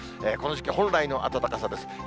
この時期本来の暖かさです。